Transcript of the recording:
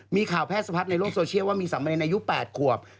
มีข่าวแพทย์สะพัดในโลกโซเชียลว่ามีสามเณรอายุ๘ขวบ